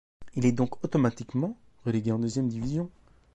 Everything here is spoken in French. Il est donc automatiquement relégué en deuxième division.